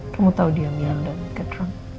kamu tahu dia minum dan mabuk